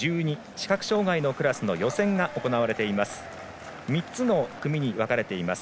視覚障がいのクラスの予選が行われています。